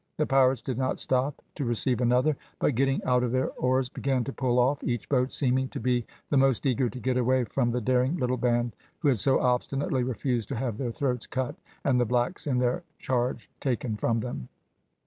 The pirates did not stop to receive another, but getting out their oars began to pull off, each boat seeming to be the most eager to get away from the daring little band who had so obstinately refused to have their throats cut, and the blacks in their charge taken from them.